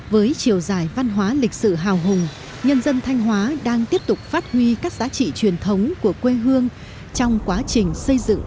với chiều dài văn hóa lịch sử hào hùng nhân dân thanh hóa đang tiếp tục phát huy các giá trị truyền thống của quê hương trong quá trình xây dựng